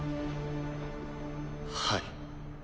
はい。